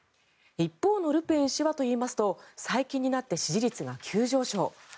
一方のルペン氏はといいますと最近になって支持率が急上昇。